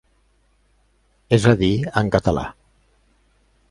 És a dir, en català.